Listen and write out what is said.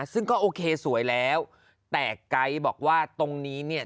ซึ่งก็โอเคสวยแล้วแต่ไก๊บอกว่าตรงนี้เนี่ย